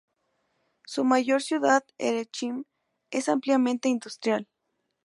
Su mayor ciudad, Erechim, es ampliamente industrial.